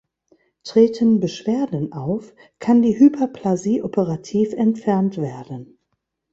Treten Beschwerden auf, kann die Hyperplasie operativ entfernt werden.